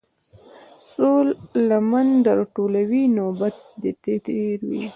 څــــو لمـــن در ټولـــوې نوبت دې تېر وي.